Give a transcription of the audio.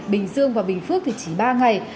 bình dương và bình phước thì chỉ ba ngày